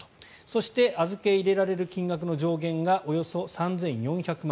そして、預け入れられる金額の上限がおよそ３４００万。